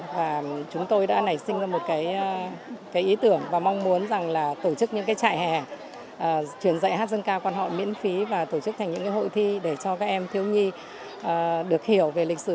và chúng tôi đã nảy sinh ra một cái ý tưởng và mong muốn rằng là tổ chức những cái trại hè truyền dạy hát dân ca quan họ miễn phí và tổ chức thành những hội thi để cho các em thiếu nhi được hiểu về lịch sử